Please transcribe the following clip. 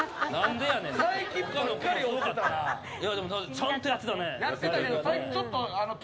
ちゃんとやってたね。